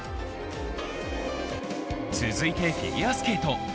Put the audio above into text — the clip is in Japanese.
続いて、フィギュアスケート。